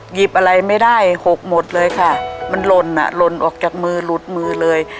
หยิบอะไรไม่ได้หกหมดเลยค่ะมันหล่นอ่ะหล่นออกจากมือหลุดมือเลย